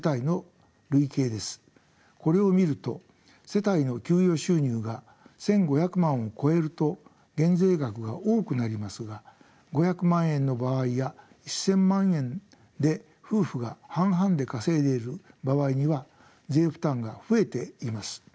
これを見ると世帯の給与収入が１，５００万を超えると減税額が多くなりますが５００万円の場合や１，０００万円で夫婦が半々で稼いでいる場合には税負担が増えています。